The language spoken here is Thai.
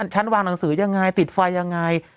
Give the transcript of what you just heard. ฉันวางหนังสือยังไงติดไฟยังไง